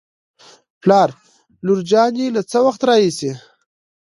پلار : لور جانې له څه وخت راهېسې